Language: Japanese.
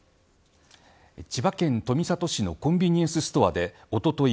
千葉県富里市のコンビニエンスストアでおととい